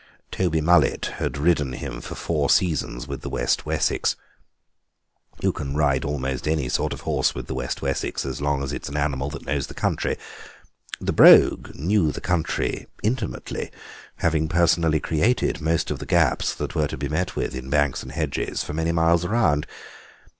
Toby Mullet had ridden him for four seasons with the West Wessex; you can ride almost any sort of horse with the West Wessex as long as it is an animal that knows the country. The Brogue knew the country intimately, having personally created most of the gaps that were to be met with in banks and hedges for many miles round.